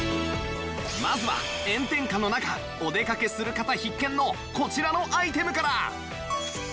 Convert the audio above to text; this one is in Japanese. まずは炎天下の中お出かけする方必見のこちらのアイテムから！